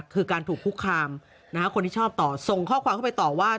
คือการถูกคุกคามคนที่ชอบต่อส่งข้อความเข้าไปต่อว่า